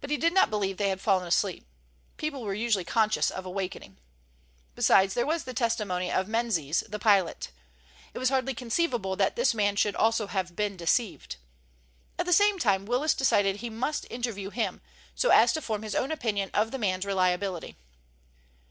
But he did not believe they had fallen asleep. People were usually conscious of awakening. Besides there was the testimony of Menzies, the pilot. It was hardly conceivable that this man also should have been deceived. At the same time Willis decided he must interview him, so as to form his own opinion of the man's reliability.